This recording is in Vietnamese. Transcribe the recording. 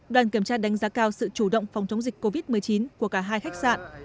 đoàn kiểm tra đánh giá cao sự chủ động phòng chống dịch covid một mươi chín của cả hai khách sạn